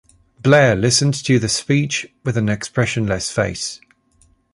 Blair listened to the speech with an expressionless face.